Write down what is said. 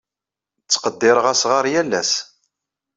Tqeddireɣ asɣar yal ass.